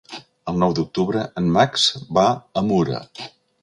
El nou d'octubre en Max va a Mura.